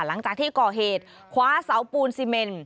หลังจากที่ก่อเหตุคว้าเสาปูนซีเมน